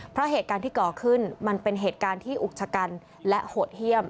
เพราะเหตุการณ์ที่ก่อขึ้นมันเป็นเหตุการณ์ที่อุกชะกันและโหดเยี่ยม